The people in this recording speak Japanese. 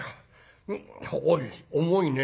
おい重いねおい。